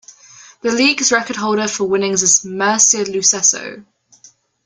The league's record holder for winnings is Mircea Lucescu.